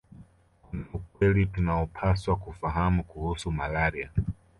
Kuna ukweli tunaopaswa kufahamu kuhusu malaria